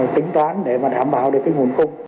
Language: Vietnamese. tính toán để đảm bảo được nguồn cung ứng sang giàu